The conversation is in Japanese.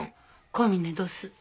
小峰どす。